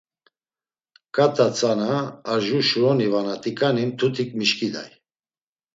K̆at̆a tzana arjur şuroni vana t̆iǩani, mtutik mişǩiday.